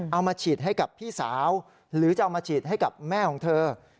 เอามาฉีดให้กับพี่สาวหรือจะเอามาฉีดให้กับแม่ของเธอ